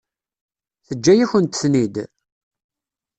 Teǧǧa-yakent-ten-id?